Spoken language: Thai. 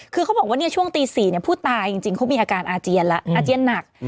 คือเขาบอกว่าช่วงตี๔ผู้ตายจริงเขามีอาการอาเจียนแล้วอาเจียนหนัก